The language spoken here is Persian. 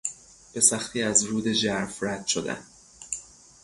به سختی از رود ژرف رد شدن